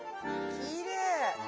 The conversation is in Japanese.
きれい！